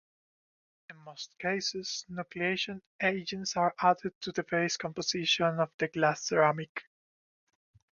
In most cases nucleation agents are added to the base composition of the glass-ceramic.